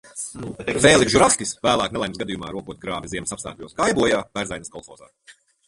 Fēlikss Žuravskis vēlāk nelaimes gadījumā, rokot grāvi ziemas apstākļos, gāja bojā Bērzaines kolhozā.